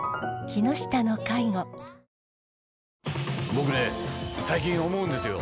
僕ね最近思うんですよ。